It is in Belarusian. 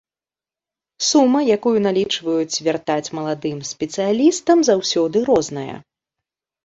Сума, якую налічваюць вяртаць маладым спецыялістам, заўсёды розная.